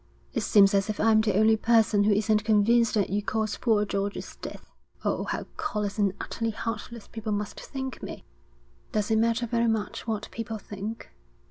It seems as if I am the only person who isn't convinced that you caused poor George's death. Oh, how callous and utterly heartless people must think me!' 'Does it matter very much what people think?'